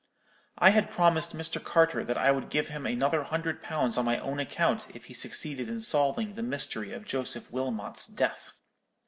I had promised Mr. Carter that I would give him another hundred pounds on my own account if he succeeded in solving the mystery of Joseph Wilmot's death.